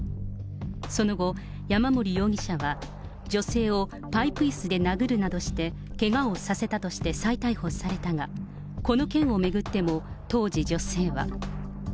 その後、山森容疑者は女性をパイプいすで殴るなどして、けがをさせたとして再逮捕されたが、この件を巡っても、当時、女性は。